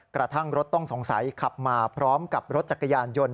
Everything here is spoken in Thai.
กระทั่งรถต้องสงสัยขับมาพร้อมกับรถจักรยานยนต์